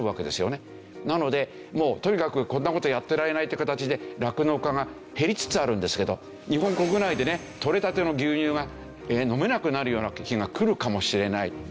なのでもうとにかくこんな事やってられないって形で酪農家が減りつつあるんですけど日本国内でねとれたての牛乳が飲めなくなるような日が来るかもしれない。